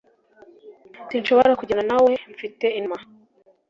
Sinshobora kujyana nawe Mfite inama